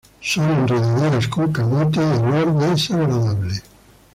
Son enredaderas con camote de olor desagradable.